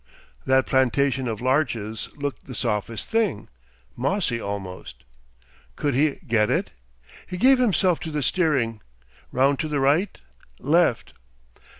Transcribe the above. That plantation of larches looked the softest thing mossy almost! Could he get it? He gave himself to the steering. Round to the right left!